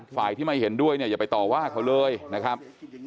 ฝ่ายที่ไม่เห็นด้วยเนี่ยอย่าไปต่อว่าเขาเลยนะครับ